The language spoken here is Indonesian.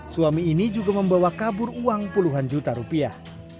suami ini juga membawa kabur uang puluhan juta rupiah